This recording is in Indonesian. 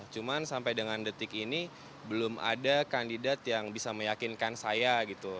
cuman sampai dengan detik ini belum ada kandidat yang bisa meyakinkan saya gitu